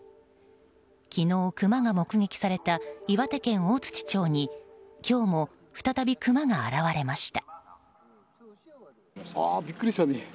昨日、クマが目撃された岩手県大槌町に今日も再びクマが現れました。